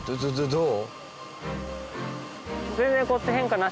どう？